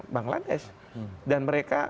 bangladesh dan mereka